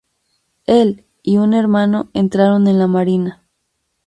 Él y un hermano entraron en la marina.